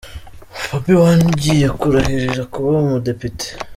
Bobi Wine ugiye kurahirira kuba umudepite.